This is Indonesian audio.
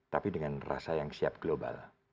tapi dengan rasa yang siap global